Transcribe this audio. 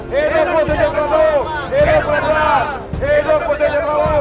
hei oleh efektif raka pastusan